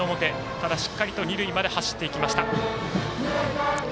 ただしっかり、二塁まで走っていきました。